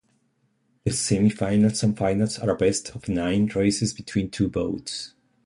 The semi-finals and finals are a best of nine races between two boats.